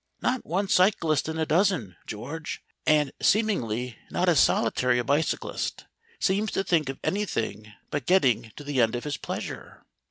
Not one cyclist in a dozen, George, and seemingly not a solitary bicyclist, seems to think of anything but getting to the end of his pleasure.